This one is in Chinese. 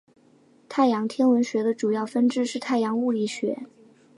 太阳天文学的主要分支是太阳物理学。